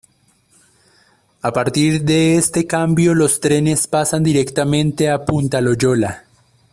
A partir de este cambio los trenes pasan directamente a Punta Loyola.